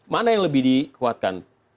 mana yang lebih diketuatkan